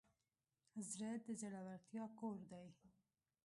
زړه د زړورتیا کور دی.